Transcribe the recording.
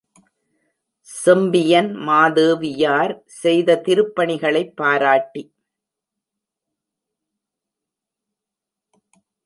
செம்பியன் மாதேவியார் செய்த திருப்பணிகளைப் பாராட்டி.